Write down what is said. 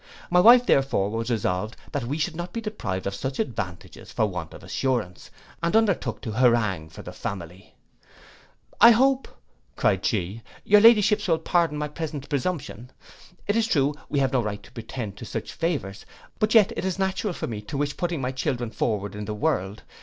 My wife therefore was resolved that we should not be deprived of such advantages for want of assurance, and undertook to harangue for the family. 'I hope,' cried she, 'your Ladyships will pardon my present presumption. It is true, we have no right to pretend to such favours; but yet it is natural for me to wish putting my children forward in the world.